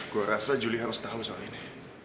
gue rasa juli harus tahu soal ini